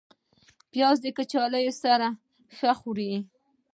پیاز د کچالو سره ښه خوري